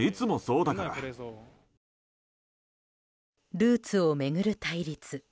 ルーツを巡る対立。